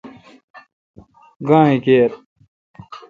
گاں کیر۔